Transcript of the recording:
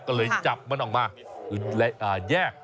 ก็เลยจับมันออกมาแยก